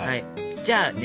じゃあね